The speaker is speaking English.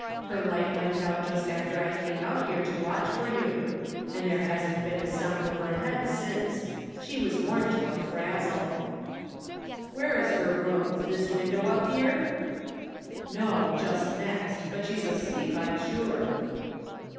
Her light went out just after I came out here to watch for you, and there hasn't been a sound over head since. She was worn to a frazzle." " Where is her room. This window up here? "" No, just next, but she's asleep, I'm sure."